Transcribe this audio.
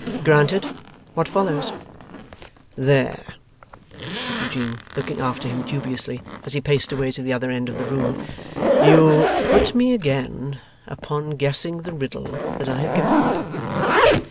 'Granted. What follows?' 'There,' said Eugene, looking after him dubiously as he paced away to the other end of the room, 'you put me again upon guessing the riddle that I have given up.